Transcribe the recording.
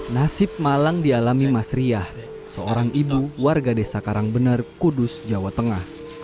nasib malang dialami mas riah seorang ibu warga desa karangbener kudus jawa tengah